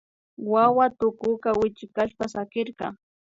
Wawa tukuta wichkashpa sakirka